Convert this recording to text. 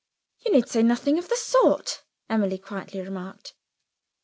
"You need say nothing of the sort," Emily quietly remarked.